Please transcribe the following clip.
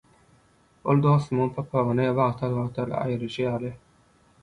ol dostumyň papagyny wagtal-wagtal aýyryşy ýaly